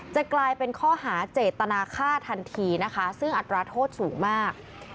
จะกลายเป็นข้อหาเจตนาค่าทันทีนะคะซึ่งอัตราโทษสูงมาก